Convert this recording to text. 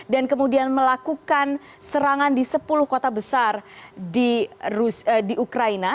dan kemudian melakukan serangan di sepuluh kota besar di ukraina